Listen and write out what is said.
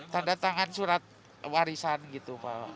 tanda tangan surat warisan gitu